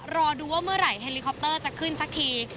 รอดูว่าเมื่อไหร่เฮลิคอปเตอร์จะขึ้นสักที